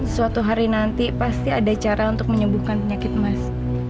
suatu hari nanti pasti ada cara untuk menyembuhkan penyakit emas